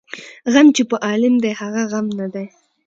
ـ غم چې په عالم دى هغه غم نه دى.